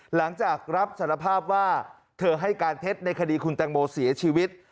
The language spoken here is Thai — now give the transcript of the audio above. หลังจากรับสารภาพว่าเธอให้การเท็จในคดีคุณแตงโมเสียชีวิต